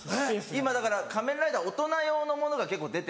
今だから『仮面ライダー』大人用のものが結構出てて。